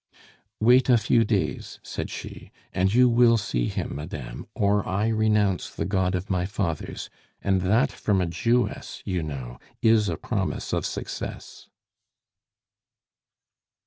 "Wait a few days," said she, "and you will see him, madame, or I renounce the God of my fathers and that from a Jewess, you know, is a promise of success."